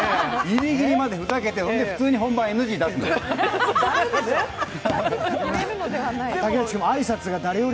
ギリギリまでふざけて、それで本番ＮＧを出すのよ。